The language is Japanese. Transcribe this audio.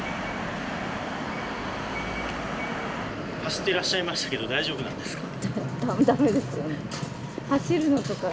走っていらっしゃいましたけど大丈夫なんですか？